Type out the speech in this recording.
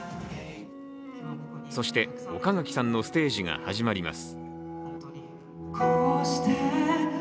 そして、岡垣さんのステージが始まります。